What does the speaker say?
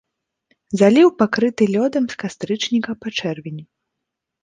Заліў пакрыты лёдам з кастрычніка па чэрвень.